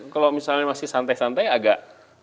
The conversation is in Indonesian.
kalau misalnya masih santai santai agak